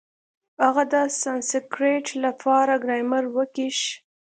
هغه د سانسکرېټ له پاره ګرامر وکېښ.